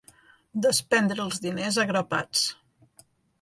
Despendre els diners a grapats.